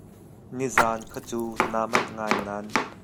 Nizaan kha cu naa manh ngai nan.